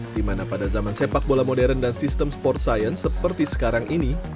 dimana pada zaman sepak bola modern dan sistem sports science seperti sekarang ini